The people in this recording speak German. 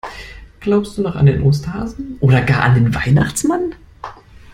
Glaubst du noch an den Osterhasen oder gar an den Weihnachtsmann?